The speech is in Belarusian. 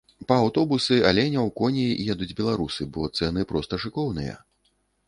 Па аўтобусы, аленяў, коней едуць беларусы, бо цэны проста шыкоўныя.